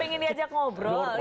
pengen diajak ngobrol gitu